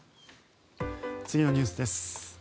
次のニュースです。